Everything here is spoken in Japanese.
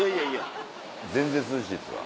全然涼しいですわ。